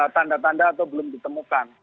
tanda tanda atau belum ditemukan